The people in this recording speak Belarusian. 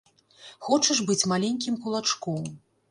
Хочаш быць маленькім кулачком.